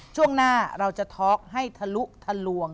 ช่วงหน้าเราจะท็อกให้ทะลุทะลวง